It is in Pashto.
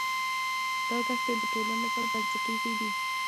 دا دښتې د ټولنې لپاره بنسټیزې دي.